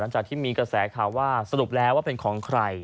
หลังจากที่มีกระแสข่าวว่าสรุปแล้วว่าเป็นของใคร